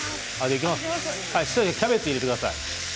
キャベツ入れてください。